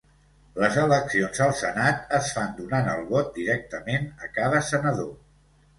Les eleccions al Senat es fan donant el vot directament a cada senador.